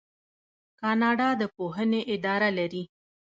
کاناډا د پوهنې اداره لري.